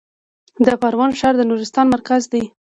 د پارون ښار د نورستان مرکز دی